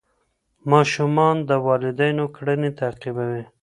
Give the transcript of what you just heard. ماشومان د والدینو کړنې تعقیبوي.